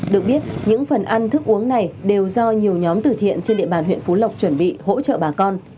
được biết những phần ăn thức uống này đều do nhiều nhóm tử thiện trên địa bàn huyện phú lộc chuẩn bị hỗ trợ bà con